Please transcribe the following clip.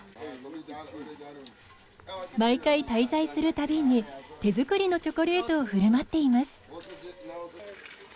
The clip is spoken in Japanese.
毎回滞在する度に手作りのチョコレートを振る舞っています。